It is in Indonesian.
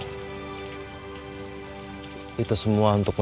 aku bisa setiap hari sama kamu